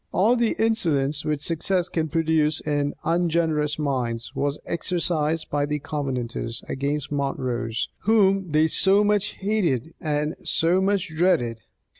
All the insolence which success can produce in ungenerous minds, was exercised by the Covenanters against Montrose, whom they so much hated and so much dreaded.